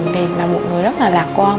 thì là một người rất là lạc quan